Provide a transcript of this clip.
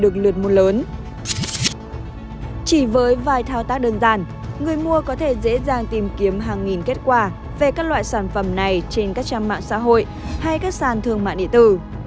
chỉ với vài thao tác đơn giản người mua có thể dễ dàng tìm kiếm hàng nghìn kết quả về các loại sản phẩm này trên các trang mạng xã hội hay các sàn thương mại địa tử